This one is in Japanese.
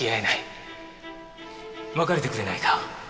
別れてくれないか？